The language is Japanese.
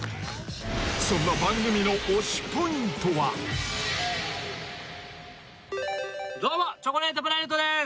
そんな番組の推しポイントはどうもチョコレートプラネットです